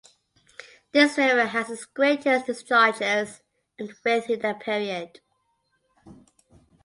This river had its greatest discharges and width in that period.